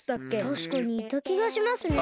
たしかにいたきがしますね。